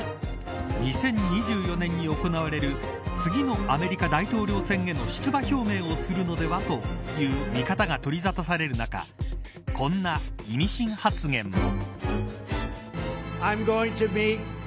２０２４年に行われる次のアメリカ大統領選への出馬表明をするのではという見方が取りざたされる中こんな意味深発言も。